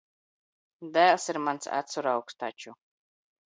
Dēls ir mans acuraugs taču.